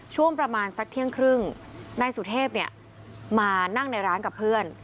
ช่วงประมาณสักเที่ยงครึ่งนายสุเทพมานั่งในร้านกับเพื่อน